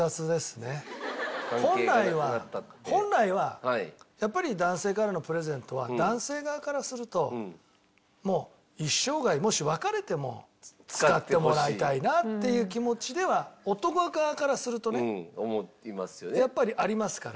本来は本来はやっぱり男性からのプレゼントは男性側からするともう一生涯もし別れても使ってもらいたいなっていう気持ちでは男側からするとねやっぱりありますから。